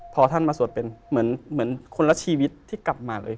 พอท่านมาสวดเป็นเหมือนคนละชีวิตที่กลับมาเลย